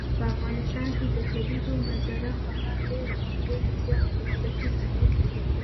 په افغانستان کې د کلیزو منظره خورا ډېر او ډېر زیات بنسټیز اهمیت لري.